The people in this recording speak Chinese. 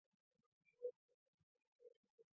格林纳达同样遭受中等程度破坏。